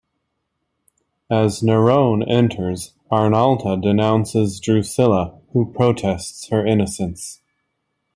As Nerone enters, Arnalta denounces Drusilla, who protests her innocence.